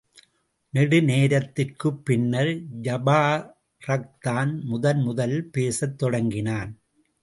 நெடுநேரத்திற்குப் பின்னர் ஜபாரக்தான் முதன் முதலில் பேசத் தொடங்கினான்.